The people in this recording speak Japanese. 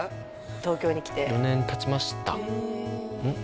東京に来て４年たちましたんっ？